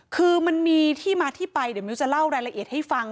คือมันมีที่มาที่ไปเดี๋ยวมิ้วจะเล่ารายละเอียดให้ฟัง